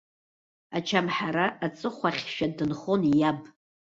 Ачамҳара аҵыхәахьшәа дынхон иаб.